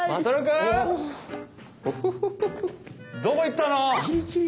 どこいったの？